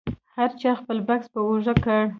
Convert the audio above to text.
هر چا خپل بکس په اوږه کړ.